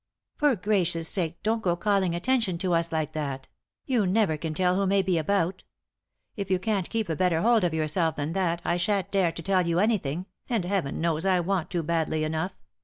" For gracious sake don't go calling attention to us like that ; you never can tell who may be about If you can't keep a better hold of yourself than that I shan't dare to tell you anything, and Heaven knows I want to badly enough.